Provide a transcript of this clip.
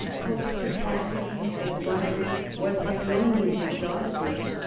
Cope's capacity for blundering was by no means exhaust ed.